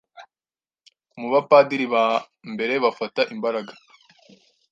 Mubapadiri ba mbere bafata imbaraga